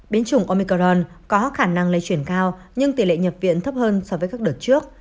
biến chủng omicron có khả năng lây chuyển cao nhưng tỷ lệ nhập viện thấp hơn so với các đợt trước